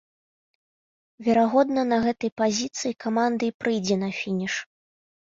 Верагодна, на гэтай пазіцыі каманда і прыйдзе на фініш.